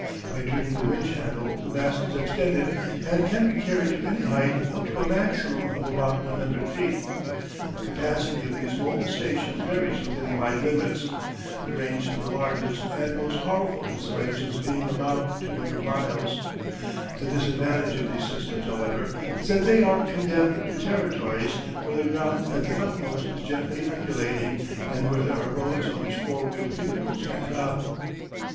By turning the winch handle the mast is extended, and can be carried to any height up to a maximum of about 100 feet. The capacity of these mobile stations varies within wide limits, the range of the largest and most powerful installations being about 200 miles. The disadvantage of these systems, however, is that they are condemned to territories where the ground at the utmost is gently undulating, and where there are roads on which four wheeled vehicles can travel.